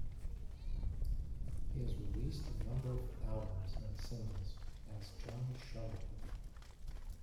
He has released a number of albums and singles as John Shuttleworth.